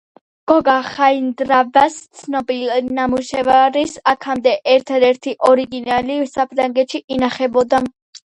გოგა ხაინდრავას ცნობილ ნამუშევარის აქამდე ერთადერთი ორიგინალი საფრანგეთში ინახებოდა.